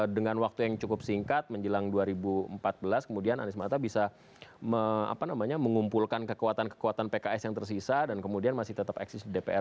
dengan waktu yang cukup singkat menjelang dua ribu empat belas kemudian anies mata bisa mengumpulkan kekuatan kekuatan pks yang tersisa dan kemudian masih tetap eksis di dpr